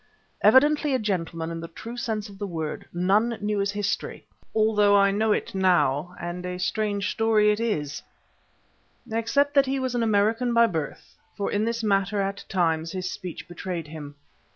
Evidently a gentleman in the true sense of the word, none knew his history (although I know it now, and a strange story it is), except that he was an American by birth, for in this matter at times his speech betrayed him.